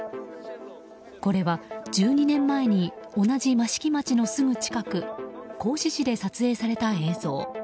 これは１２年前に同じ益城町のすぐ近く合志市で撮影された映像。